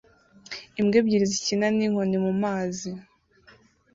Imbwa ebyiri zikina ninkoni mumazi